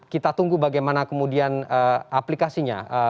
kita tunggu bagaimana kemudian aplikasinya